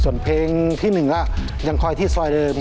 ส่วนเพลงที่๑ก็ยังคอยที่ซอยเดิม